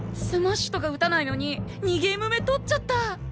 スマッシュとか打たないのに２ゲーム目取っちゃった。